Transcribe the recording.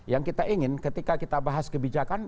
yang kita ingin ketika kita bahas kebijakan